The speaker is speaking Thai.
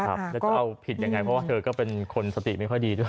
แล้วจะเอาผิดยังไงเพราะว่าเธอก็เป็นคนสติไม่ค่อยดีด้วย